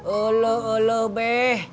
eluh eluh be